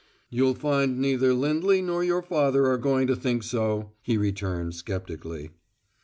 "You'll find neither Lindley nor your father are going to think so," he returned skeptically.